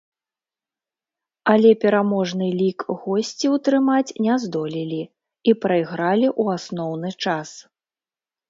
Але пераможны лік госці ўтрымаць не здолелі і прайгралі ў асноўны час.